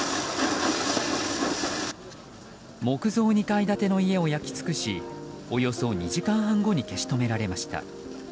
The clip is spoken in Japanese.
木造２階建ての家を焼き尽くしおよそ２時間半後に消し止められました。